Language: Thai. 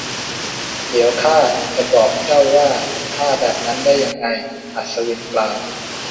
เดี๋ยวข้าจะบอกเจ้าว่าข้าแบบนั้นได้ยังไง อัศวินกล่าว